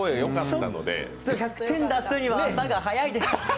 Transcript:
１００点出すには、まだ早いです。